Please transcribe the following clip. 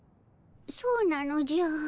そうなのじゃ。